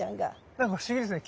なんか不思議ですね。